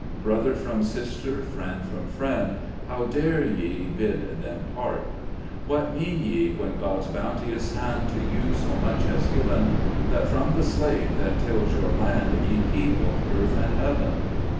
Brother from sister, friend from friend, How dare ye bid them part ?" What mean ye, when God's bounteous hand To you so much has given, That from the slave that tills your land, Ye keep both earth and heaven